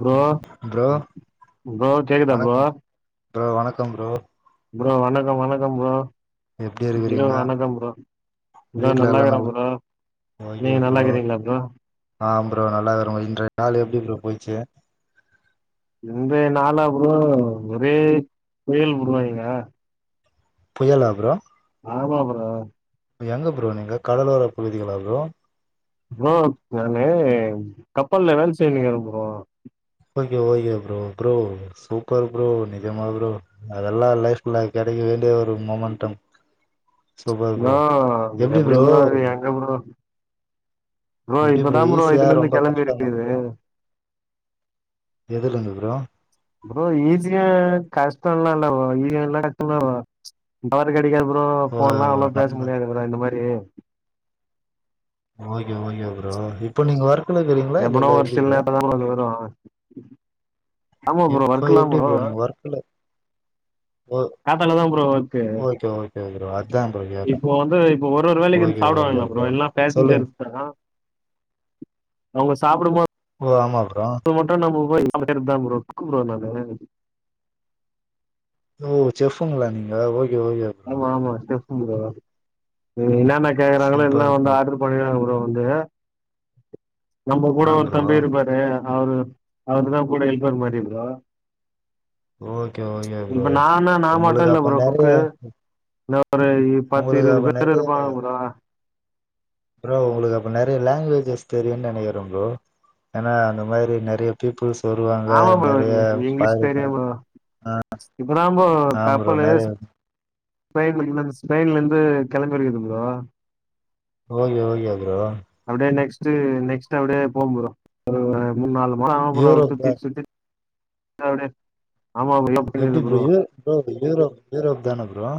bro ம் bro bro கேக்குதா bro வணக்கம் ப்ரோ வணக்கம் ப்ரோ ப்ரோ வணக்கம் வணக்கம் ப்ரோ எப்டி இனிதே இருக்கிறீங்க வணக்கம் ப்ரோ ப்ரோ வீட்ல நல்லா எல்லா இருக்குரே ப்ரோ ஓகே நீங்க நல்லா ப்ரோ இருறீங்களா ப்ரோ ஆ ப்ரோ நல்லா இருக்குற இன்றய நாள் எப்டி ப்ரோ போச்சு இன்றய நாளா ப்ரோ ஒரே புயல் ப்ரோ இங்க புயாலா ப்ரோ ஆமா ப்ரோ எங்க ப்ரோ நீங்க கடலோரப் பகுதிகளா ப்ரோ ப்ரோ நானு கப்பல்ல வேல செய்னிக்கிறே bro okay okay bro bro super bro நெஜமா ப்ரோ அதல்லா லைஃப்ல கெடைக்க வேண்டிய ஒரு மோமண்டம் சூப்பர் ப்ரோ எப்டி ப்ரோ எ ப்ரோ எப்டி ப்ரோ இப்பதா ஈஸியா இதுல இருந்து ரொம்ப கெளம்பி கஷ்டமா இருக்குது ப்ரோ எதுலர்ந்து ப்ரோ ப்ரோ ஈசியான கஷ்டல்லா இல்ல ப்ரோ இது என்ன கஷ்டமா ப்ரோ டவரு கெடைக்காது ப்ரோ ஓ போனல்லா அவளோ பேச நம்ப முடியாது ப்ரோ இந்த மாரி ஓகே ஓகே ப்ரோ இப்ப நீங்க ஒர்க்குல இருக்கறீங்களா இல்ல இல்ல எப்டி ப்ரோ இப்பதா ப்ரோ இருந்து வரோ இப்போ எப்டி ப்ரோ நீங்க ஒர்க் ஓ காத்தால தான் bro work okay okay bro அதா ப்ரோ கேட்டே இப்போ வந்து இப்ப ஒரு ஒரு வேலைக்கு வந்து ஓகே ஓகே சாப்டுவாங்கல்ல ப்ரோ எல்லா சொல்லுங்க பேசஞ்ஜர்ஸ் அவுங்க சாப்டபோது ஓ ஆமா ப்ரோ இப்ப மட்டு நம்ம போய் [unintelligible] ப்ரோ கூப்டவா நானு ஓ செஃப்புங்களா நீங்க ஓகே ஓகே ப்ரோ ஆமா ஆமா செஃப் ப்ரோ என்னான்னா கேக்குறாங்களோ எல்லா சூப்பர் வந்து ப்ரோ ஆட்ரு போய்ருகாங்க ப்ரோ வந்து நம்ம கூட ஆ ஒரு ப்ரோ தம்பி இருப்பாரு எ அவரு அவரு தா கூட ஹெல்பர் மாரி ப்ரோ ஓகே ஓகே இப்ப ப்ரோ நானா நா மட்டு உங்களுக்கு இல்ல அப்ப ப்ரோ நெறைய குக்கு இந்த ஒரு பத்து உங்களுக்கு இருவது அப்ப பேரு நெறைய இருப்பாங்க ப்ரோ ப்ரோ ஒங்களுக்கு அப்ப நெறய லாங்குவேஜஸ் தெரியுன் நெனக்கிறே ப்ரோ ஏனா அந்த மாரி நெறய பீப்புள்ஸ் வருவாங்க ஆமா ப்ரோ நெறய ஃபாரினர் இப்ப நாமோ ஆ ப்ரோ நெறைய கப்பலுஸ் ஸ்பெயின் [unintelligible] ஸ்பெயின்ல இருந்து கெளம்பிருகுது ப்ரோ ஓகே ஓகே ப்ரோ அப்டியே நெக்ஸ்டு நெக்ஸ்ட்டு அப்டியே போகு ப்ரோ ஒரு மூணு நாலு மசோ ஆகு ப்ரோ அப்டி யூரோப் தா சுத்திட் சுத்திட் அப்டியே ஆமா உள்ள எப்டி ப்ரோ இது ப்ரோ யூரோப் யூரோப் தான ப்ரோ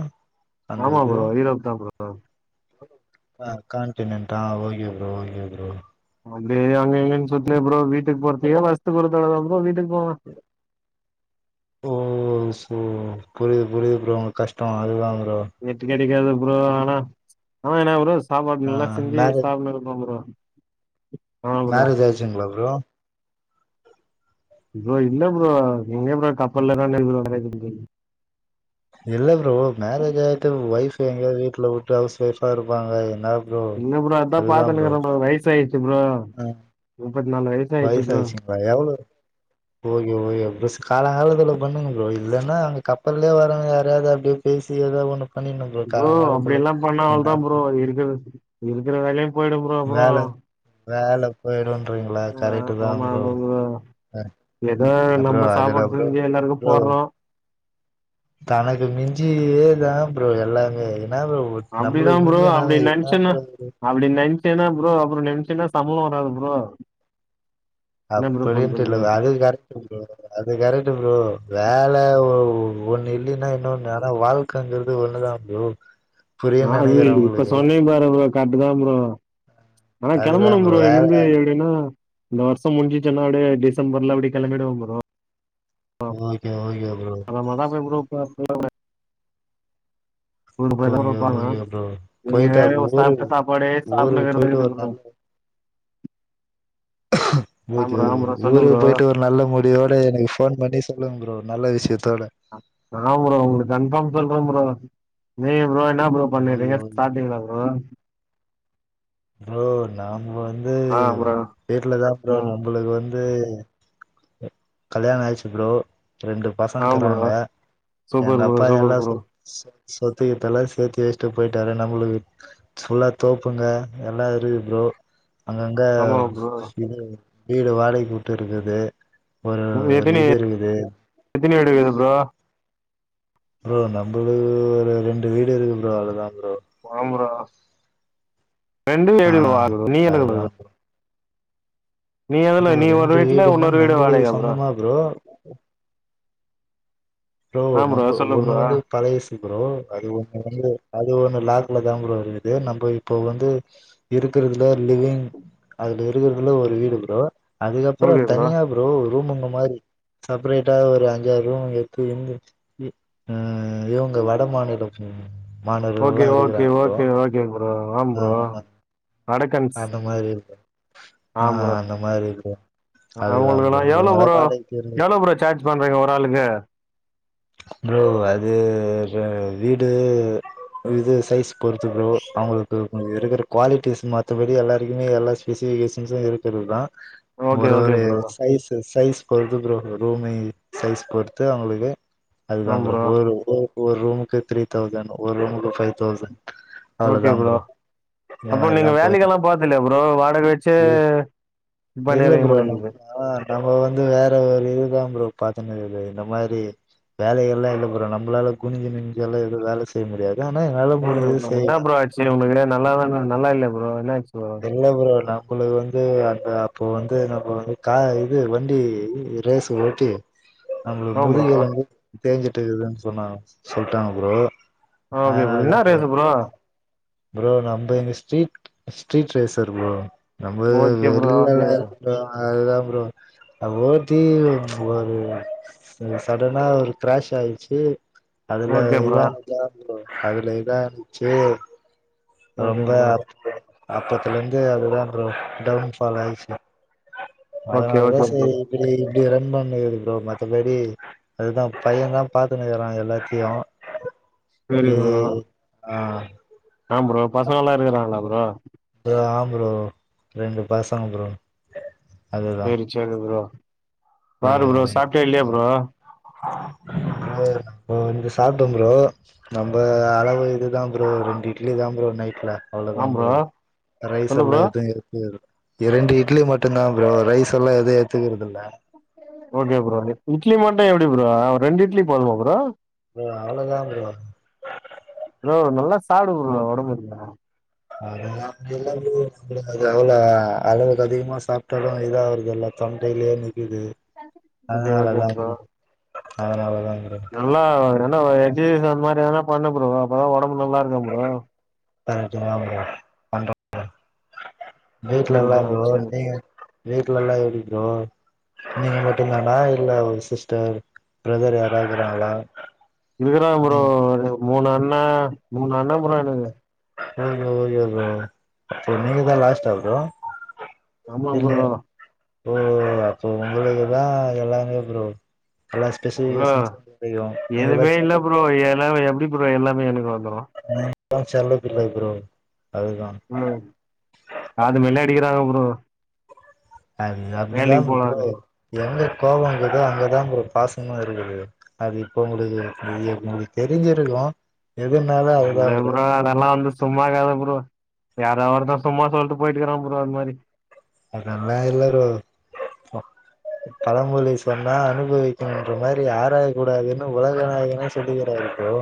அந்த ஆமா இது ப்ரோ ஈரோப் தா ப்ரோ ஆ காண்டினன்டா ஓகே ப்ரோ ஓகே ப்ரோ அப்டியே அங்க இங்கன்னு சுத்தினே ப்ரோ வீட்டுக்கு போறத்துக்கே வருசத்துக்கு ஒரு தடவ ப்ரோ வீட்டுக்கு போவே [inaudible] ஓ சோ புரிது புரிது ப்ரோ கஷ்டோ அதுதா ப்ரோ நெட்டு கெடைக்காது ப்ரோ ஆனா ஆனா என்னா ப்ரோ சாப்பாடு ஆ நல்லா செஞ்சு மேரேஜ் சாப்டுனு இருப்பே ப்ரோ ஆமா ப்ரோ மேரேஜ் ஆயிருச்சுங்களா ப்ரோ ப்ரோ இல்ல ப்ரோ எங்க ப்ரோ கப்பல்லதான இருக்குறோ [unintelligible] இல்ல ப்ரோ மேரேஜ் ஆய்டா ஒய்ஃப் எங்கயாவது வீட்ல விட்டு ஹவுஸ் ஒய்ஃபா இருப்பாங்க என்னா ப்ரோ இல்ல ப்ரோ அதா பாத்துனுகுரே ப்ரோ வயசாய்றுச்சு ப்ரோ ஆ முப்பத்தி நாலு வய்சு வயசாயிடுச்ங்களா எவ்ளோ ஓகே ஓகே ப்ரோஸ் கால காலத்துல பண்ணுங்க ப்ரோ இல்லன்னா அங்க கப்பல்லயே வரவங்க யாரயாவது அப்டியே பேசி ஏதோ ஒன்னு ப்ரோ அப்டி எல்லா பண்ண அவ்ளோதா ப்ரோ இருக்கற இருக்கிற வேலயு போய்டு ப்ரோ அப்றோ வேல வேல போய்டுன்றீங்களா ஆ கரெக்ட்டுதா ஆமா ப்ரோ ஆமா அ ஏதோ அ ப்ரோ நம்ம அதலா சாப்பாடு ப்ரோ செஞ்சு எல்லாருக்கு ப்ரோ போடுறோ தனக்கு மிஞ்சியே தா ப்ரோ எல்லாமே என்னா ப்ரோ அப்டிதா நம்மளுக்கு ப்ரோ அப்டி மிஞ்சினது என்ன நெனச்சன்னா ப்ரோ அது அப்டி நென்ச்சேன்னா ப்ரோ அப்றோ நென்ச்சன்னா சம்பளோ வராது ப்ரோ என்ன ப்ரோ அப்டின்டு இல்ல பண்றது அதுவு கரெக்ட் ப்ரோ அது கரெக்ட் ப்ரோ வேல ஒ ஒண்ணு இல்லின்னா இன்னொணு ஆனா வாழ்க் க்கங்கறது ஒன்னுதா ப்ரோ ஆ புரியும்னு அது நெனைக்கிறே இப்ப உங்களுக்கு சொன்னே பாரு வோர்க் கரெக்ட்டுதா ப்ரோ ஆனா அதுதா கிளம்பனு ப்ரோ வேல இங்கிருந்து எப்டின்னா இந்த வர்ஷோ முடிசுச்சுன்னா அப்டியே டிசம்பர்ல அப்டி கெளம்பிடுவே ப்ரோ அ ஓகே ஓகே ப்ரோ அந்த ஆதான் என் ப்ரோ போ போய்ருக்கான் நூரூபாதா ஓகே குடுப்பாங்க ஓகே ப்ரோ போயிட்டு அப்ப எந்நேரமு சாப்பட ஊருக்கு சாப்பாடே ஊருக்கு சாப்பிடக்கிறது போயிட்டு ஒரு ப்ரோ நல்ல ஆ ஓகே ப்ரோ ஆ ஓகே ப்ரோ சொல்லு ஊருக்கு ப்ரோ போயிட்டு வர் நல்ல முடிவோட எனக்கு போன் பண்ணி சொல்லுங்க ப்ரோ நல்ல விஷயத்தோட அ ஆ ப்ரோ உங்களுக்கு கன்பார்ம் சொல்றோ ப்ரோ நீ ப்ரோ என்ன ப்ரோ ஓகே பண்ணீரிங்க ஓகே சாப்டிங்லா ப்ரோ ப்ரோ நாம வந்து ஆ ப்ரோ வீட்ல தான் ப்ரோ ம் நம்மளுக்கு வந்து கல்யாணம் ஆயிச்சு ப்ரோ ரெண்டு ஆ ப்ரோ பசங்கங்கிறாங்க சூப்பர் எங்க ப்ரோ அப்பா சூப்பர் எல்லாம் ப்ரோ சொ சொ சொத்து கித்து எல்லாம் சேர்த்து வச்சிட்டு போயிட்டாரு நம்மளுக்கு ஃபுல்லா தோப்புங்க எல்லா இருக்கு ப்ரோ அங்கங்க ஆமா ப்ரோ இது வீடு வாடகைக்கு உட்டுட்டுருக்கிறது உங்களுக்கு எத்தினி எத்தினி வீடு இருக்கு ப்ரோ ப்ரோ நம்மளுக்கு ஒரு ரெண்டு வீடு இருக்கு ப்ரோ அதுதான் ப்ரோ ஆம் ப்ரோ ரெண்டு ஏ ஆ வாடக நீ எதுல அதுதா கடக்கற ப்ரோ எதுல ப்ரோ நீ ஒரு ரெண்டு வீட்ல வீடுன்னா உன்னொரு வீடு நம்மளுக்கு வாடகையா சொந்தமா ப்ரோ ப்ரோ ஆ நம்ம சொல்லு ஒன்னு ப்ரோ வந்து பழசு ப்ரோ அது இப்ப வந்து அது ஒண்ணு லாக்கில தான் ப்ரோ இருக்கு ப்ரோ நம்ப இப்ப வந்து இருக்குறதலே லிவ்விங் அதுல இருக்குறதலே ஒரு வீடு ப்ரோ அதுக்கப்புறம் தனியா ப்ரோ ரூம்மும மாரி செப்பரேட்டா ஒரு அஞ்சு ஆறு ரூம் இ எங்க அ இவங்க வட மாநிலத்தவங்க ஓகே மாணவர்கள்லா ஓகே இருக்குறாங்க ப்ரோ ஓகே ஓகே ப்ரோ ஆம் அ ப்ரோ அ அடக்கன்ஸ் அதான் மாரி இருக்கு ஆ அந்த மாரி ப்ரோ அதுதா உங்களுக்கெல்லா ப்ரோ எவ்ளோ இவங்களா ப்ரோ வாடகைக்கு இருந்து எவ்ளோ [unintelligible] ஒரு ஆளுக்கு ப்ரோ அது வீடு இது சைஸ் பொறுத்து ப்ரோ அவுங்க இருக்கனும் இருக்குற குவாலிட்டிஸ் மத்தபடி எல்லாருக்குமே எல்லா ஸ்பெசிபிகேஷன்ஸு இருக்கிறதுதா ஓகே ஒரு ஓகே ஒரு ப்ரோ சைஸ் சைஸ் பொறுத்து ப்ரோ ரூமு சைஸ் பொறுத்து அவங்களுக்கு அதுதா ப்ரோ ஒரு ஒரு ஒரு ரூமுக்கு த்ரீ தௌசண்ட் ஒரு ரூமுக்கு பைவ் தௌசண்ட் அவ்ளோதா ப்ரோ இந்த அப்போ நீங்க மாரிதான் போயிட்டு வேலைக்கெல்லா இருக்குது போர்த்தில்லயா ப்ரோ வாடக வச்சே பண்ணிருவீங்க போல இருக்கு ஆ நம்ம வந்து வேற ஒரு இதுதா ப்ரோ பாத்தினு இருக்கு இந்த மாரி வேலைகலெல்லா இல்ல ப்ரோ நம்மளால குனிஞ்சு நிமிஞ்சி எல்லா எதுவு வேல செய்ய முடியாது ஆனா என்னால முடிஞ்சது செய்வ சரி உங்களுக்கு என்ன நல்லா தா நல்லா இல்லயா ப்ரோ என்ன ஆச்சு ப்ரோ இல்ல ப்ரோ நம்பளுக்கு வந்து அந்த அப்போ வந்து நம்ப வந்து கா இது வண்டி ரேஸ் ஓட்டி அந்த ஆ ப்ரோ முதுகு எலும்பு தேஞ்சுட்டுக்குதுன்னு சொன்னாங் சொல்ட்டாங்க ப்ரோ ஓகே அதனாலதா என்ன ப்ரோ ரேஸ் இல்லனா ப்ரோ நம்ப இங்க ஸ்ட்ரீட் ஸ்ட்ரீட் ரேசர் ப்ரோ நம்ப ஓகே ப்ரோ ஓகே வெள்ளலா ப்ரோ, எது அப்புறோ அதுதா ப்ரோ அப்புறோ [unintelligible] சடனா ஒரு கிராஷ் ஆயிடுச்சு அதுல ஓகே இது ப்ரோ ஆனது தா ப்ரோ அதுல இதான்னுச்சு ஓகே ரொம்ப ப்ரோ அவஸ்த்தப்பட்ட அப்பத்துல இருந்து அதுதா ப்ரோ டவுன்ஃபால் ஆயிடுச்சு ஓகே அதனாலதா ஓகே ப்ரோ சேரி இப்டி இப்டி ரன்பண்ண இருக்கு ப்ரோ மத்தபடி அதுதா பைய தா பாத்துட்டு இருக்கா எல்லாத்தையு சரி ஏ ப்ரோ ஆ ஆ ப்ரோ பசங்கல்லா இருக்கிறாங்களா ப்ரோ ஆம் ப்ரோ ரெண்டு பசங்க ப்ரோ அதுதா சேரி சேரி ப்ரோ பாரு ப்ரோ சாப்டியா இல்லையா ப்ரோ ப்ரோ ப்ரோ இங்க சாப்ட்ட ப்ரோ நம்ப அளவு இதுதா ப்ரோ ரெண்டு இட்லி தா ப்ரோ நைட்ல அவ்ளோதா ப்ரோ ரைஸ் சொல்லு எல்லா ப்ரோ எதுவு எடுத்துகறது இல்ல இரண்டு இட்லி மட்டு தா ப்ரோ ரைஸ் எல்லா எது ஏத்துக்கறது இல்ல ஓகே ப்ரோ இட்லி மட்டு எப்டி ப்ரோ ரெண்டு இட்லி போதுமா ப்ரோ ப்ரோ அவ்ளோதா ப்ரோ ப்ரோ நல்லா சாப்புடு ப்ரோ உடம்புக்குல அதுதா இல்ல ப்ரோ அது அவ்ளோ அளவுக்கு அதிகமா சாப்ட்டாலு இதாவருதில்ல தொண்டையிலயே நிக்குது ஓகே அதனால ஓகே தா ப்ரோ அதனால தா ப்ரோ நல்லா நல்லா எக்ஸசைஸ் அந்த மாரி எதனா பண்ணு ப்ரோ அப்பதா உடம்பு நல்லா இருக்கு ப்ரோ கரெக்ட்டு தா ப்ரோ பண்ற ப்ரோ வீட்ல சேரி எல்லா ப்ரோ சேரி நீங்க வீட்லல்லா எப்டி ப்ரோ நீங்க மட்டுதானா இல்ல ஒரு சிஸ்டர் பிரதர் யாரா இருக்கறாங்களா இருக்காறங்க ப்ரோ எனக்குமூணு அண்ண மூணு அண்ண ப்ரோ எனக்கு ஓகே ஓகே ப்ரோ சோ நீங்க தா லாஸ்ட்டா ப்ரோ ஆமா இல்ல ப்ரோ ஓ அப்போ உங்களுக்குதா எல்லாமே ப்ரோ எல்லா என்னா ஸ்பெசிஃபிகேஷன்ஸு தெரியு நீங்கதா எதுமே இல்ல செல்ல ப்ரோ எல்லாம எப்படி ப்ரோ எல்லாமே எனக்கு வந்துரு நீங்கா செல்லப் பிள்ளை ப்ரோ அதுதா ம் காது மேலே அடிக்கிறாங்க ப்ரோ அது அப்டிதா வேலைக்கு ப்ரோ போலான்னு எங்க கோவோ இருக்குதோ அங்கதா ப்ரோ பாசமு இருக்குது அது இப்ப உங்களுக்கு உங்களுக்கு தெரிஞ்சிருக்கு எதுனாலு அதுதா ப்ரோ அ நல்லா வந்து சும்மாக்கத பரோ யாராவ் ஒருத்த சும்மா சொல்லிட்டு போயிட்டுக்குறான் ப்ரோ அது மாரி அதெல்லா இல்ல ப்ரோ பழமொழி சொன்னா அனுபவிக்கணுன்ற மாரி ஆராயக்கூடாதுன்னு உலகநாயகனே சொல் தொட்டுகுறாரா ப்ரோ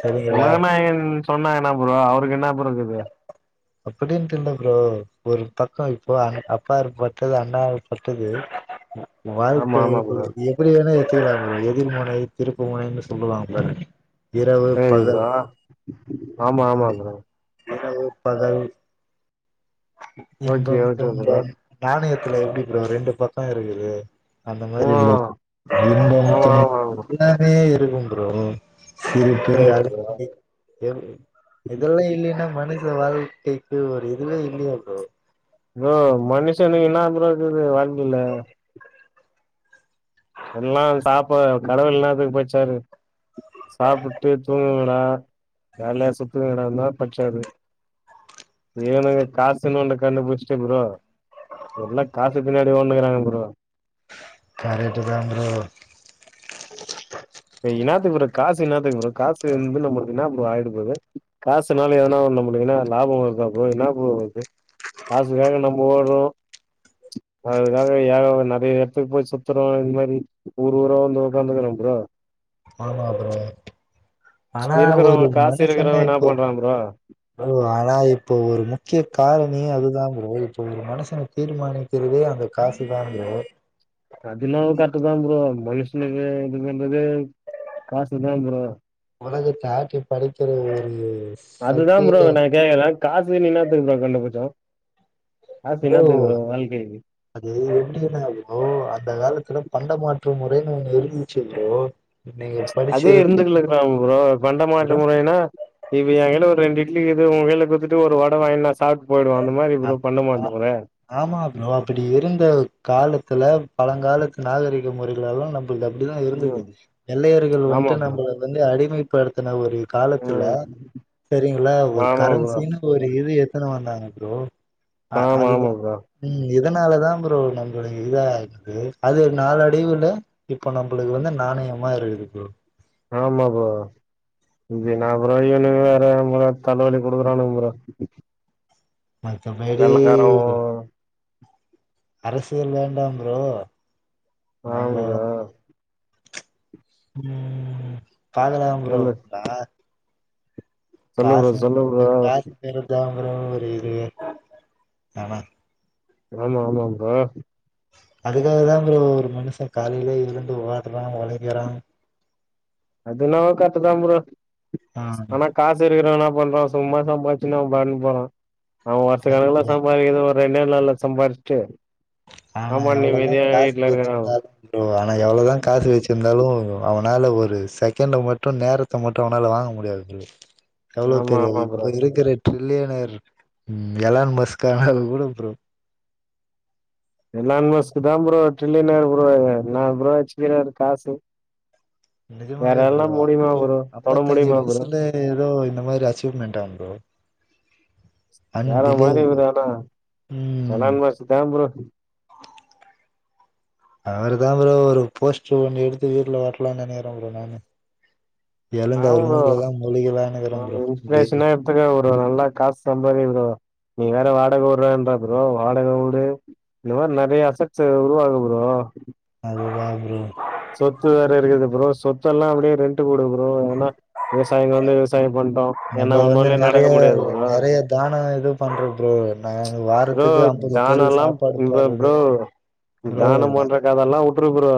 சரிங்களா உலக நாயகன் சொன்னா என்ன ப்ரோ அவருக்கு என்ன இப்ப இருக்குது அப்டின்ட்டு இல்ல ப்ரோ ஒரு பக்கோ இப்போ அ அப்பா இருப்பட்டது அண்ணா இரு பட்டது ஆமா வாழ்க்கை ஆமா என்பது ப்ரோ இயற்கை அப்டி என்ன ஏத்திகிறாங்க எதிர்மனை திருப்பு முனைன்னனு சொல்லுவாங்க பாரு சேரி ப்ரோ ஆமாமா ப்ரோ பதல் ஓகே இன்பம் ஓகே ப்ரோ துன்பம் நாணயத்துல எப்டி ப்ரோ ரெண்டு பக்கோ இருக்குது அந்த மாரி ப்ரோ ம் இன்பம் ஆமா துன்பம் ஆமா ப்ரோ எல்லாமே இருக்கு ப்ரோ சேரி ப்ரோ [unintelligible] எது எதுமே இல்லேன்னா மனுஷ வாழ்க்கைக்கு ஒரு இதுவே இல்லையே ப்ரோ ப்ரோ மனுஷனுக்கு இன்னா ப்ரோ இருக்குது வாழ்க்கில எல்லா சாப்பா கடவுள் எல்லாதுக்கு [unintelligible] சாப்புட்டு தூங்குங்கடா வேலையா சுத்துங்கடா தா பச்சாரு இவனுங்க காசுன்னு ஒன்னு கண்டுபுச்சிட்டு ப்ரோ எல்லா காசு பின்னாடி ஓடுனுக்கிறாங்க ப்ரோ கரெக்ட்டு தா ப்ரோ இனாத்துக்கு ப்ரோ காசு என்னாத்துக்கு ப்ரோ காசு வந்து நம்மளுக்கு என்னா ப்ரோ ஆயிட போது காசுனால எதனா நம்மளுக்கு என்னா லாபம் வருதா ப்ரோ என்னா ப்ரோ வருது காசுக்காக நம்ம ஓடுறோ அதுக்காக [unintelligible] நெறைய இடத்துக்கு போய் சுத்துரோ இந்த மாரி ஊர் ஊரா வந்து உக்காந்துக்குற ப்ரோ ஆமா ப்ரோ ஆனா ஒரு இருக்கிறவங்க காசு மனுஷன இருக்கிறவங்க என்னா இப்போ பண்றா ப்ரோ ஓ ஆனா இப்போ ஒரு முக்கிய காரணியே அதுதா ப்ரோ இப்ப ஒரு மனுசனை தீர்மானி க்றதே அந்த காசுதா ப்ரோ அது என்னவோ கரெக்டு தா ப்ரோ மனுஷனுக்கு இது பண்றது காசு தா ப்ரோ உனக்கு டாக்டர் படிக்கிற ஒரு அதுதா ப்ரோ சக்தியே நா கேக்குறே காசுனு என்னத்துக்கு ப்ரோ கண்டுபுச்சோ காசு என்னத்துக்கு ப்ரோ வாழ்க்கைக்கு அது எப்டினா ப்ரோ அந்த காலத்துல பண்ட மாற்ற முறைன்னு ஒன்னு இருந்துச்சு ப்ரோ நீங்க அதே படிச்சிருப்பீங்க இருந்துகுலுக்கலா ப்ரோ பண்ட மாட்டு ப்ரோ முறைன்னா இப்ப ஏன ஒரு ரெண்டு இட்லிக்குது ஓ கையில குடுத்துட்டு ஒரு வட வாங்கினுவா சாப் போயிடுவோ அந்த மாறி அ ப்ரோ பண்ண ஆ மாட்டெங்கற ஆமா ப்ரொ அப்புடி இருந்த காலத்துல பழங்காலத்து நாகரீக முறைகளெல்லா நம்ம அப்போ இது அப்டிதா இருந்துருக்கு ம் வெள்ளையர்கள் ஆமா வந்து ப்ரோ நம்மள வந்து அடிமைப்படுத்துன ஒரு காலத்துல ம் சரிங்களா ஒரு ஆமா ப்ரோ கரன்சினு ஒரு இது எத்துனு வந்தாங்க ப்ரோ அ ஆமா அதுதா ஆமா ப்ரோ ம் இதனாலதா ப்ரோ நம்பலுட இதா இருக்கு அது நாலடைவுல இப்ப நம்பளுக்கு வந்து நாணயமா இருக்குது ப்ரோ ஆமா ப்ரோ என்னா ப்ரோ இவுனுங்க வேற நம்ள தலவலி குடுக்குறானுங்க ப்ரோ மத்தபடி வெள்ளக்காரவ அரசியல் வேண்டா புரோ நம்ப ஆமா ப்ரோ உம் பாலுதாபுரோ சொல்லு நா சொல்லு ப்ரோ சொல்லு காசுங்கிறது ப்ரோ காசுங்கிறது தாபுரோ ஒரு இது ஆனா ஆமா ஆமா புரோ அதுக்காக தா ப்ரோ ஒரு மனுஷே காலையிலேயே எழுந்து ஓடுறா உழைக்கிறா அது என்னவோ கரெக்ட் தா ப்ரோ ஆஹ் ஆனா காசு இருக்கிறவ என்னா பண்றான் சும்மா சம்பாச்சுனு அவ பாட்டுக்கு போறான் அவ வருஷ கணக்குல கரெக்ட்டு சம்பாரிக்கிறது ரெண்டே நால்ல சம்பாரிச்சுட்டு ஆனா ஆமா எவ்வளவுதா நிம்மதியா காசு வீட்ல இருக்கிறான் வச்சிருந்தாலு ப்ரோ ஆனா எவ்வளவுதா காசு வச்சிருந்தாலும் அவனால ஒரு செகண்ட மட்டு நேர நேரத்த மட்டு அவனால வாங்க முடியாது ஜி எவ்வளோ ஆமா தெரியாது ஆமா ப்ரோ இப்ப இருக்கிற ட்ரில்லியனர் எலான் மஸ்கான கூடோ அப்புறோ எலான் மஸ்க்கு தா புரொ ட்ரில்லியனர் புரொ அங்க என்னா புரொ வச்சிக்கிறாரு காசு நெஜமாவே புரோ யாராலலா முடியுமா ப்ரோ தொட அம்பத்தஞ்சி முடியுமா ப்ரோ வயசுல ஏதோ இந்த மாறி அச்சீவ்மெண்ட்டா புரோ வேற மாறி இவரு ஆனா ம் எலான்மஸ்க்குதா புரோ அவர்தா புரோ ஒரு போஸ்ட்டுரு ஒண்ணு எடுத்து வீட்டுல மாட்டலானு நெனக்கிறே புரோ நானு எழுந்து ஆமா அவர் ப்ரோ மூஞ்சிலதா முலிக்கலானுக்கிறே புரோ டெய்லி இன்ஸ்பிரேஷனா அத்துக ஒரு நல்லா காசு சம்பாரிங்க புரோ நீ வேற வாடக வூடுன்ற புரோ வாடக வூடு இது மாறி நெறையா அஸ்சட்சு உருவாகுது புரோ அதுதா புரோ சொத்து வேற இருக்குது புரோ சொத்தெல்லா அப்டியே ரெண்ட்டுக்கு உடு புரோ எதனா விவசாயிங்க வந்து விவசாய பண்ட்டும் நம்ம ஏன்னா வந்து உன்னாலயே நடக்க முடியாது புரோ பண்றது புரோ நானு வாரத்துக்கு அம்பது பேருக்கு தானோல்லா சாப்பாடு போடுறது ப்ரோ ப்ரோ தானம் பண்ற கதெல்லா வுட்ரு புரோ